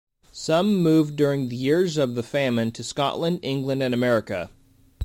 Some moved during the years of the famine to Scotland, England and America.